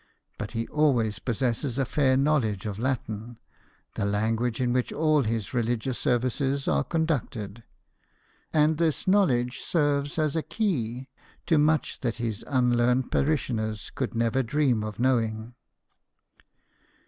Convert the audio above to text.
But he always possesses a fair knowledge of Latin, the language in which all his religious services are conducted ; and this knowledge serves as a key to much that his unlearned parishioners could never dream of knowing.